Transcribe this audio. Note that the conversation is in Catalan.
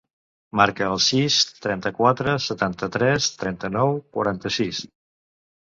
Marca el sis, trenta-quatre, setanta-tres, trenta-nou, quaranta-sis.